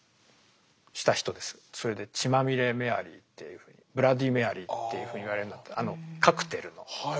それで「血まみれメアリー」っていうふうに「ブラッディーメアリー」っていうふうに言われるようになったあのカクテルの。